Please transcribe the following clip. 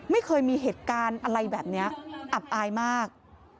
ไม่เคยมีเหตุการณ์อะไรแบบนี้อับอายมาก